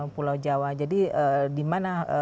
pulau jawa jadi di mana